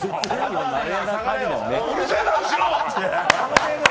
うるせぇな、後ろ！